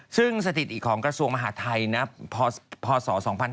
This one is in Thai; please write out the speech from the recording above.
ซึ่งสถิติของกระทรวงมหาทัยนะพศ๒๕๕๙